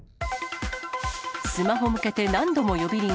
スマホ向けて何度も呼び鈴。